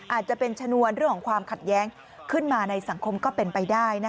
อาจจะเป็นชนวนเรื่องของความขัดแย้งขึ้นมาในสังคมก็เป็นไปได้